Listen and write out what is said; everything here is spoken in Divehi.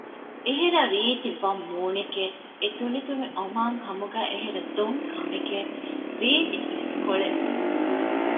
އެހެރަ ރީތި ވަށް މޫނެކެވެ! އެތުނިތުނި އޮމާން ހަމުގައި އެހެރަ ދޮން ކަމެކެވެ! ރީތި އިސްކޮޅެއް